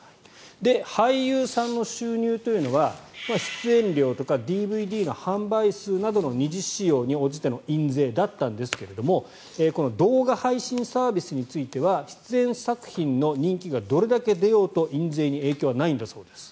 俳優さんの収入というのは出演料とかＤＶＤの販売数などの二次使用に応じての印税だったんですがこの動画配信サービスについては出演作品の人気がどれだけ出ようと印税には影響がないそうです。